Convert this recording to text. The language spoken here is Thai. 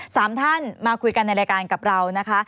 สามท่านมาคุยกันในรายการกับเรานะคะ